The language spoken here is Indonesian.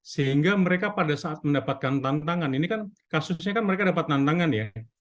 sehingga mereka pada saat mendapatkan tantangan ini kan kasusnya kan mereka dapat tantangan ya